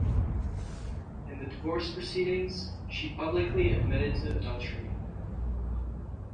In the divorce proceedings, she publicly admitted to adultery.